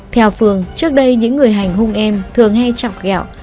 theo phương trước đây những người hành hung em thường hay chọc gẹo